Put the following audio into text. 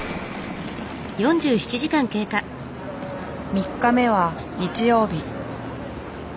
３日目は日曜日。